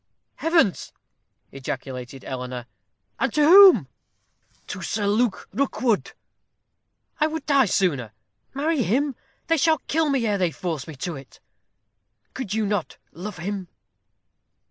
"Heavens!" ejaculated Eleanor, "and to whom?" "To Sir Luke Rookwood." "I would die sooner! Marry him? They shall kill me ere they force me to it!" "Could you not love him?"